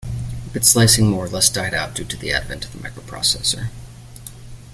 Bit slicing more or less died out due to the advent of the microprocessor.